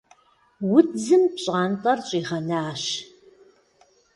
Удзым пщӀантӀэр щӀигъэнащ.